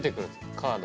カード。